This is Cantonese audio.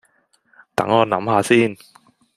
等我諗吓先